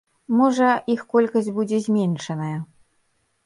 Можа, іх колькасць будзе зменшаная.